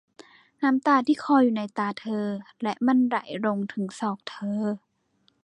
น้ำตาที่คลออยู่ในตาเธอและมันไหลลงถึงศอกเธอ